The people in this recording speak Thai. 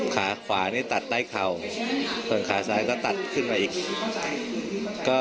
ขาขวานี่ตัดใต้เข่าส่วนขาซ้ายก็ตัดขึ้นมาอีก